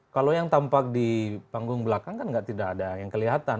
kalau yang tampak di panggung belakang kan tidak ada yang kelihatan